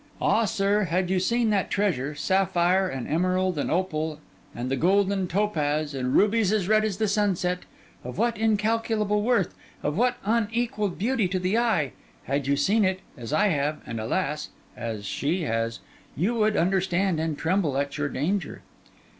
'Ah, sir, had you seen that treasure, sapphire and emerald and opal, and the golden topaz, and rubies red as the sunset—of what incalculable worth, of what unequalled beauty to the eye!—had you seen it, as I have, and alas! as she has—you would understand and tremble at your danger.